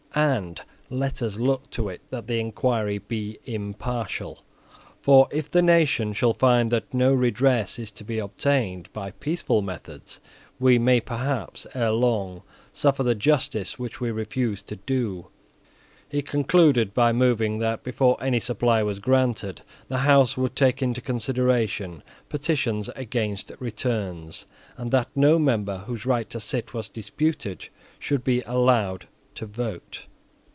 And let us look to it that the enquiry be impartial. For, if the nation shall find that no redress is to be obtained by peaceful methods, we may perhaps ere long suffer the justice which we refuse to do." He concluded by moving that, before any supply was granted, the House would take into consideration petitions against returns, and that no member whose right to sit was disputed should be allowed to vote.